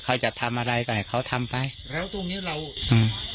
เขาจะทำอะไรก็ให้เขาทำไปแล้วตรงเนี้ยเราอืม